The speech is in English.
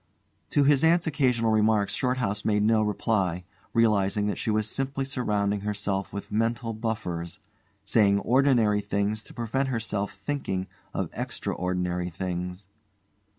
To his aunt's occasional remarks Shorthouse made no reply, realising that she was simply surrounding herself with mental buffers saying ordinary things to prevent herself thinking of extra ordinary things.